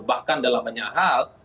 bahkan dalam banyak hal